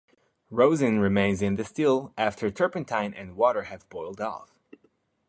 Rosin remains in the still after turpentine and water have boiled off.